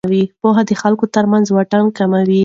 پوهه د خلکو ترمنځ واټن کموي.